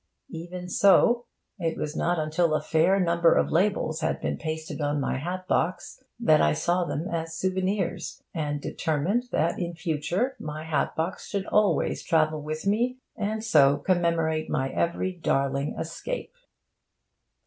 Even so, it was not until a fair number of labels had been pasted on my hat box that I saw them as souvenirs, and determined that in future my hat box should always travel with me and so commemorate my every darling escape.